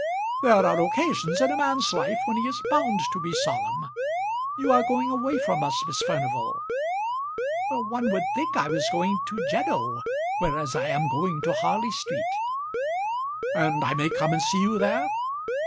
"There are occasions in a man's life when he is bound to be solemn. You are going away from us, Miss Furnival " "One would think I was going to Jeddo, whereas I am going to Harley Street." "And I may come and see you there!"